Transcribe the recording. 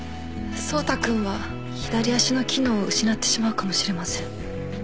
走太君は左足の機能を失ってしまうかもしれません